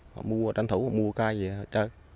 họ mua tranh thủ mua cái gì họ chơi